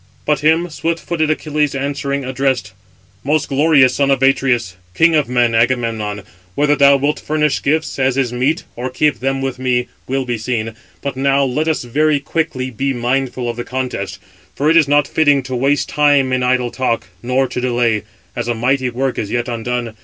But him swift footed Achilles answering, addressed; "Most glorious son of Atreus, king of men, Agamemnon, whether thou wilt furnish gifts, as is meet, or keep them with thee, [will be seen]; but now let us very quickly be mindful of the contest; for it is not fitting to waste time in idle talk, 630 nor to delay; as a mighty work is yet undone.